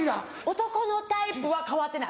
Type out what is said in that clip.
男のタイプは変わってない。